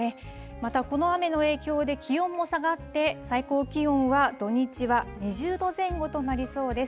またこの雨の影響で気温も下がって最高気温は土日は２０度前後となりそうです。